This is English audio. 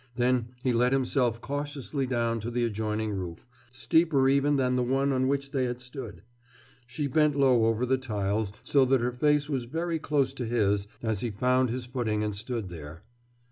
Then he let himself cautiously down to the adjoining roof, steeper even than the one on which they had stood. She bent low over the tiles, so that her face was very close to his as he found his footing and stood there.